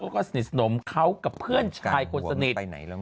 สนิทสนมเขากับเพื่อนชายคนสนิท